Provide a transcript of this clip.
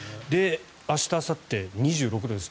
明日あさって２６度です。